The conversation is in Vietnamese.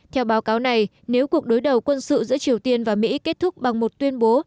theo báo cáo này nếu cuộc đối đầu quân sự giữa triều tiên và mỹ kết thúc bằng một tuyên bố